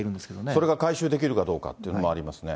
それが回収できるかどうかということもありますね。